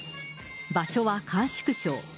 場所は甘粛省。